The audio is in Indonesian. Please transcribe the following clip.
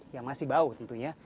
yang masih bau tentunya